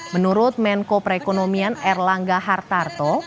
menurut menko perekonomian erlangga hartarto